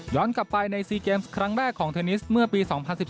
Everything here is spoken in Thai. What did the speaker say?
กลับไปใน๔เกมส์ครั้งแรกของเทนนิสเมื่อปี๒๐๑๙